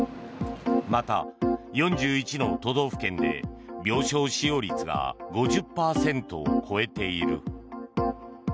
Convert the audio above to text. また、４１の都道府県で病床使用率が５０％を超えている。